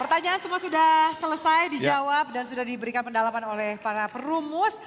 pertanyaan semua sudah selesai dijawab dan sudah diberikan pendalaman oleh para perumus